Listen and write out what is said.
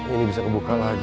ini bisa kebuka lagi